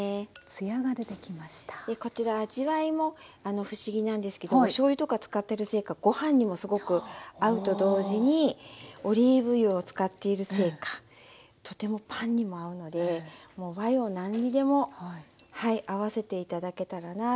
こちら味わいも不思議なんですけどおしょうゆとか使ってるせいかご飯にもすごく合うと同時にオリーブ油を使っているせいかとてもパンにも合うのでもう和洋何にでも合わせて頂けたらなと思います。